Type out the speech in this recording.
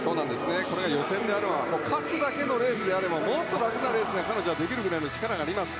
これが予選であれば勝つだけのレースであればもっと楽なレースができるぐらいの力が彼女はあります。